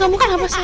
tante biar lagi